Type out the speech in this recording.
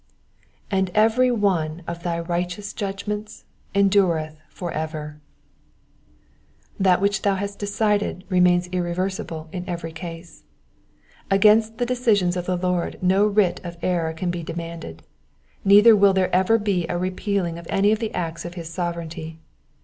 ''''And every one of thy righteous judgments endureth for ever.^^ That which thou hast decided remains irreversible in every case. Against the decisions of the Lord no writ of error can be demanded, neither will there ever be a repealing of any of the acts of his sovereignty.